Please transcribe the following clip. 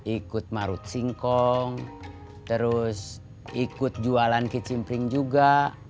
ikut marut singkong terus ikut jualan kicim pring juga